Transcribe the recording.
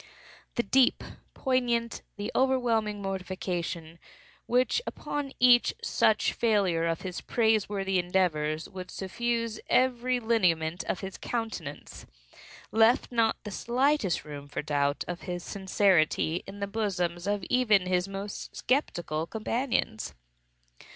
The deep, the poignant, the overwhelming mortification, which upon each such failure of his praise worthy endeavors, would suffuse every lineament of his countenance, left not the slightest room for doubt of his sincerity in the bosoms of even his most skeptical companions.